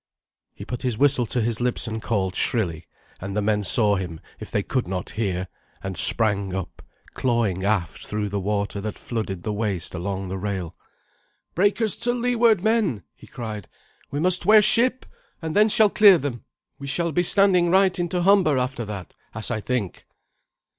He put his whistle to his lips and called shrilly, and the men saw him if they could not hear, and sprang up, clawing aft through the water that flooded the waist along the rail. "Breakers to leeward, men," he cried "we must wear ship, and then shall clear them. We shall be standing right into Humber after that, as I think."